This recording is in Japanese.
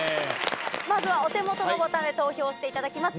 まずはお手元のボタンで投票していただきます。